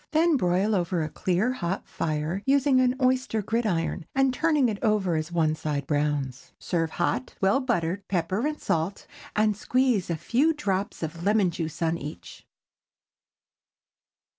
Then broil over a clear, hot fire, using an oyster gridiron, and turning it over as one side browns. Serve hot, well buttered, pepper and salt, and squeeze a few drops of lemon juice upon each.